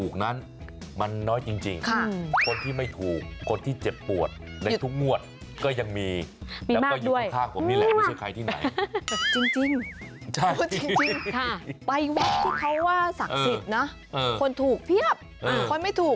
ควรไม่ถูกโอ๊ยเพียบกว่า